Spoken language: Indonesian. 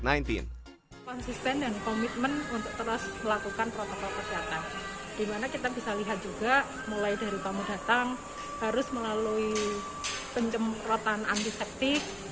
kita konsisten dan komitmen untuk terus melakukan protokol kesehatan dimana kita bisa lihat juga mulai dari kamu datang harus melalui penjemprotan antiseptik